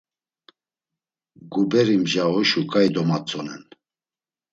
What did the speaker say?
Guberi mja oşu ǩai domatzonen.